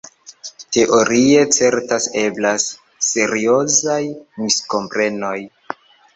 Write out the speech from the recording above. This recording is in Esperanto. Teorie certas eblas seriozaj miskomprenoj.